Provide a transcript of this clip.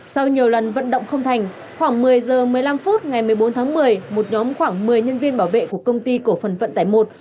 sau nhiều lần vận động không thành khoảng một mươi h một mươi năm phút ngày một mươi bốn tháng một mươi một nhóm khoảng một mươi nhân viên bảo vệ của công ty cổ phần vận tải một